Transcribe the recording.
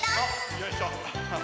よいしょ。